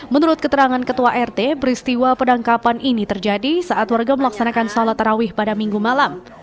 menurut keterangan ketua rt peristiwa penangkapan ini terjadi saat warga melaksanakan sholat tarawih pada minggu malam